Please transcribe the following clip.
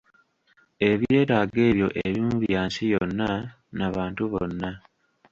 Ebyetaago ebyo ebimu bya nsi yonna na bantu bonna.